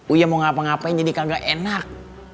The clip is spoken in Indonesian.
uya mau ngapa ngapain jadi kagak enak